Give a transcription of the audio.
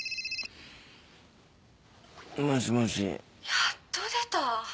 やっと出た。